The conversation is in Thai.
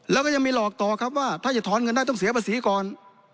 แล้วก็ยังมีหลอกต่อครับว่าถ้าจะถอนเงินได้ต้องเสียภาษีก่อน